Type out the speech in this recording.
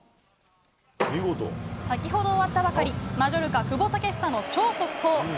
先ほど終わったばかりマジョルカ、久保建英の超速報。